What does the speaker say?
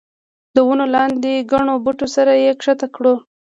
د ونو لاندې ګڼو بوټو سره یې ښکته کړو.